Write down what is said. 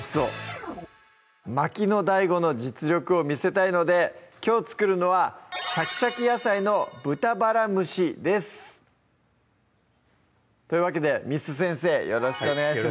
巻きのＤＡＩＧＯの実力を見せたいのできょう作るのは「シャキシャキ野菜の豚バラ蒸し」ですというわけで簾先生よろしくお願いします